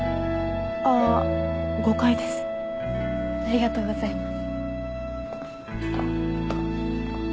ありがとうございます。